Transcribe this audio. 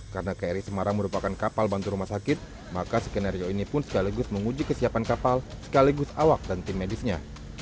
karena kri semarang merupakan kapal bantu rumah sakit maka skenario ini pun sekaligus menguji kesiapan kapal sekaligus awak dan tim medisnya